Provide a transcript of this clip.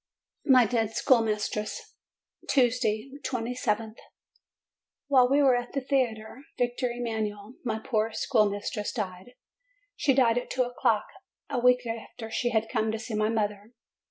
MY DEAD SCHOOLMISTRESS Tuesday, 2/th. While we were at the Theatre Victor Emanuel, my poor schoolmistress died. She died at two o'clock, a week after she had come to see my mother.